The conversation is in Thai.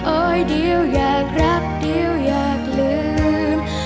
โอ้ยดิ้วยากรับดิ้วยากลืม